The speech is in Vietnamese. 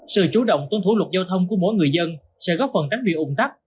sự chủ động tuân thủ luật giao thông của mỗi người dân sẽ góp phần tránh việc ủng tắc